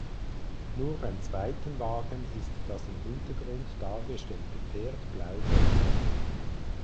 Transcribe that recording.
Nur beim zweiten Wagen ist das im Hintergrund dargestellte Pferd blau gemalt.